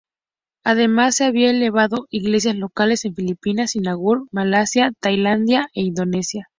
Además, se habían levantado iglesias locales en Filipinas, Singapur, Malasia, Tailandia e Indonesia.